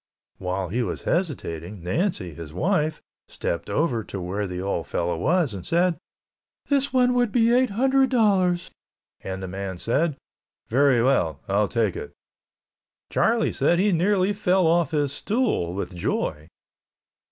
While he was hesitating Nancy, his wife, stepped over to where the old fellow was and said, "This one would be eight hundred dollars," and the man said, "Very well, I'll take it." Charlie said he nearly fell off his stool with joy.